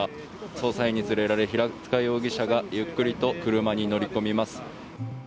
捜査員に連れられ平塚容疑者が、ゆっくりと車に乗り込みます。